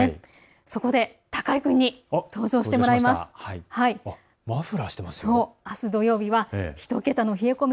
そこで高井君に登場してもらいます。